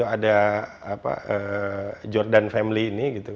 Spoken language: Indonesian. ada jordan family ini